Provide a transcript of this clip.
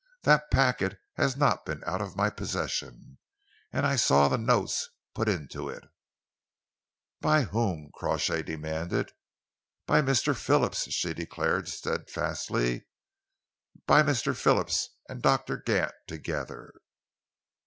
"That packet has not been out of my possession, and I saw the notes put into it." "By whom?" Crawshay demanded. "By Mr. Phillips," she declared steadfastly, "by Mr. Phillips and Doctor Gant together."